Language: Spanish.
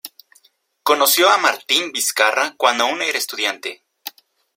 Conoció a Martín Vizcarra cuando aún era estudiante.